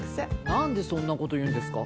なんでそんな事言うんですか？